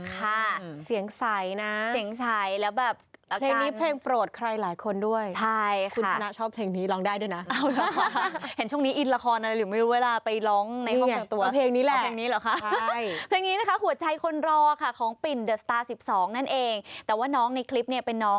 ของเธอเธอใจหวังว่าเธอประเท่าใจ